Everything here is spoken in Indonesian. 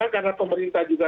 karena pemerintah juga